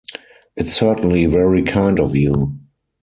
It's certainly very kind of you.